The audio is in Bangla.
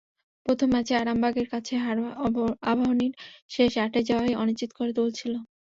প্রথম ম্যাচে আরামবাগের কাছে হার আবাহনীর শেষ আটে যাওয়াই অনিশ্চিত করে তুলেছিল।